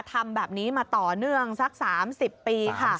ทำแบบนี้มาต่อเนื่องสัก๓๐ปีค่ะ